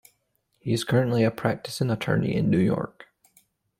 He is currently a practicing attorney in New York.